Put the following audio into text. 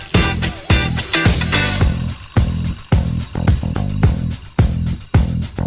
ขอบคุณครับสวัสดีครับ